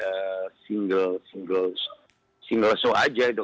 ya itu maksudnya sebuah perangkat yang sangat yang sangat berguna ya